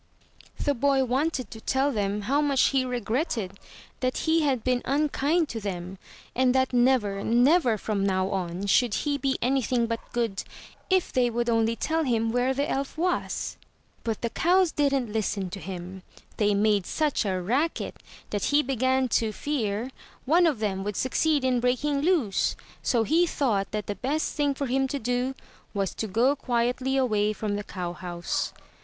The boy wanted to tell them how much he regretted that he had been unkind to them; and that never, never, from now on, should he be anything but good, if they would only tell him where the elf was. But the cows didn't listen to him. They made such a racket that he began to fear one of them would succeed in breaking loose; so he thought that the best thing for him to do, was to go quietly away from the cowhouse.